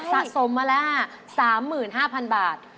สะสมมาแล้ว๓๕๐๐๐บาท